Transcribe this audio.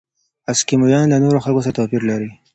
اسکیمویان له نورو خلکو سره توپیر لري.